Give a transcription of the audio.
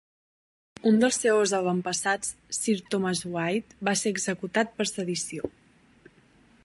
Un dels seus avantpassats, Sir Thomas Wyatt, va ser executat per sedició.